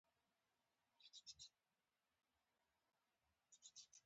احمد ټول عمر پر خپلوانو نس اړول دی.